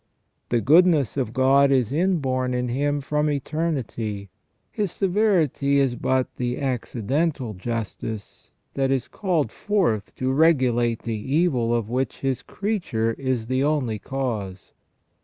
The goodness of God is inborn in Him from eternity ; His severity is but the accidental justice that is called forth to regulate the evil of which His creature is the only cause.